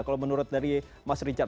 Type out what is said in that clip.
kalau menurut dari mas richard